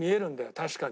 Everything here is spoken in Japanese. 確かに。